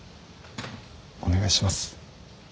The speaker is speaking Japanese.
お願いします。